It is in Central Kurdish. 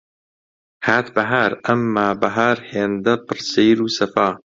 هات بەهار، ئەمما بەهاری هێندە پڕ سەیر و سەفا